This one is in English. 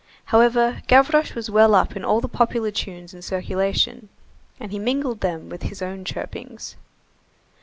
However, Gavroche was well up in all the popular tunes in circulation, and he mingled with them his own chirpings.